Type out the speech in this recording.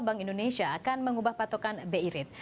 bank indonesia akan mengubah patokan bi rate